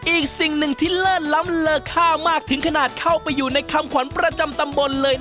อีกสิ่งหนึ่งที่เลิศล้ำเลอค่ามากถึงขนาดเข้าไปอยู่ในคำขวัญประจำตำบลเลย